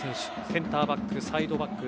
センターバック、サイドバック。